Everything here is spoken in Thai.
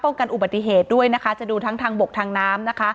กันอุบัติเหตุด้วยนะคะจะดูทั้งทางบกทางน้ำนะคะ